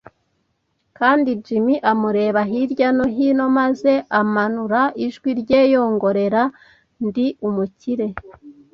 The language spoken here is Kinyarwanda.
Kandi, Jim ”- amureba hirya no hino maze amanura ijwi rye yongorera -“ Ndi umukire. ”